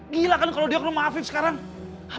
gila kan kalau dia ke rumah afif sekarang